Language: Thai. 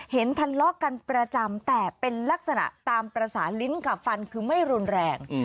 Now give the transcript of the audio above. เห็นทะเลาะกันประจำแต่เป็นลักษณะตามภาษาลิ้นกับฟันคือไม่รุนแรง